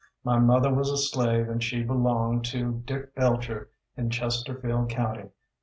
My mother was a slave and she belonged to Dick Belcher in Chesterfield County.